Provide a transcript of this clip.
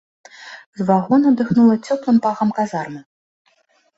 З вагона дыхнула цёплым пахам казармы.